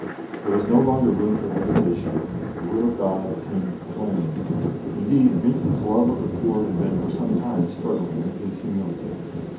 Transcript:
There was no longer room for hesitation; the will of God seemed plain; indeed, Vincent's love of the poor had been for some time struggling with his humility.